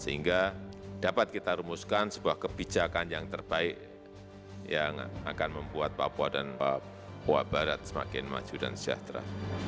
sehingga dapat kita rumuskan sebuah kebijakan yang terbaik yang akan membuat papua dan papua barat semakin maju dan sejahtera